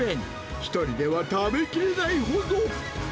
１人では食べきれないほど。